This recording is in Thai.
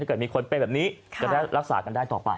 เกิดมีคนเป็นแบบนี้จะได้รักษากันได้ต่อไป